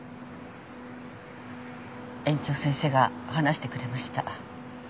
園長先生が話してくれました。